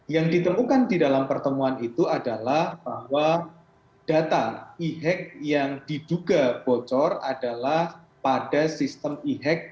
yang ditemukan di dalam pertemuan itu adalah bahwa data e hack yang diduga bocor adalah pada sistem e hack